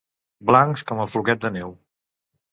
Blancs com en Floquet de Neu.